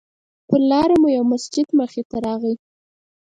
پر لاره مو یو مسجد مخې ته راغی.